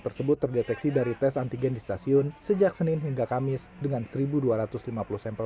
tersebut terdeteksi dari tes antigen di stasiun sejak senin hingga kamis dengan seribu dua ratus lima puluh sampel